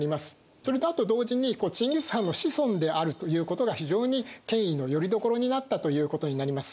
それとあと同時にチンギス・ハンの子孫であるということが非常に権威のよりどころになったということになります。